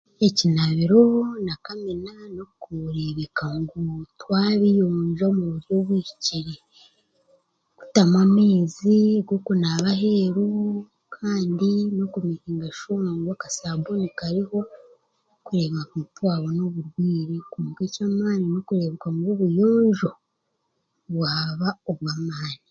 Ekinaabiro na kamina n'okureebeka ngu twabiyonja obuyonjo obuhikire kutamu amaizi g'okunaaba aheeru kandi n'okumeekinga shuwa ngu akasaabuni kariho kureeba ngu titwafuna oburwaire nkooka ekyamaani, n'okureeba ngu obuyonjo bwaba obw'amaani